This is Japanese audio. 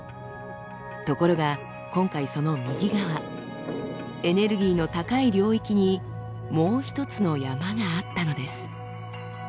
ところが今回その右側エネルギーの高い領域にもう一つの山があったのです。